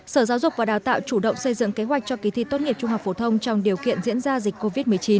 sở giáo dục và đào tạo chủ động xây dựng kế hoạch cho kỳ thi tốt nghiệp trung học phổ thông trong điều kiện diễn ra dịch covid một mươi chín